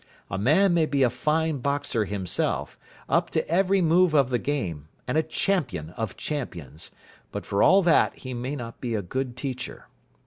A man may be a fine boxer himself, up to every move of the game, and a champion of champions, but for all that he may not be a good teacher.